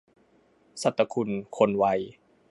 ศตคุณ คนไว